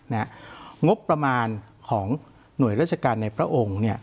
นะครับงบประมาณของหน่วยราชการในพระองค์เนี่ย